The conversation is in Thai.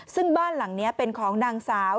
ซึ่งบ้านหลังนี้เป็นของนางสาว